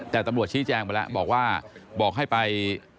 แต่ตำรวจชี้แจงไปแล้วบอกว่าบอกให้ไป